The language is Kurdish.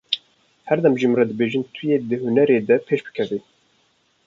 Her dem ji min re dibêjin tu yê di hunerê de, bi pêş bikevî.